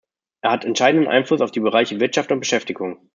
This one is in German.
Er hat entscheidenden Einfluss auf die Bereiche Wirtschaft und Beschäftigung.